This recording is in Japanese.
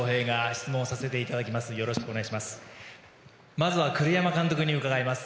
まずは栗山監督に伺います。